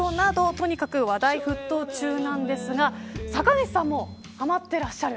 とにかく話題沸騰中なんですが酒主さんもはまっていらっしゃる。